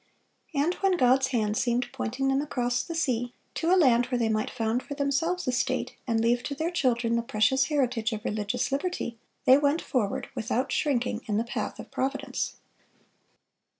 And when God's hand seemed pointing them across the sea, to a land where they might found for themselves a state, and leave to their children the precious heritage of religious liberty, they went forward, without shrinking, in the path of providence.